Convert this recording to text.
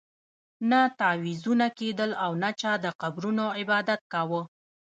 نه تعویذونه کېدل او نه چا د قبرونو عبادت کاوه.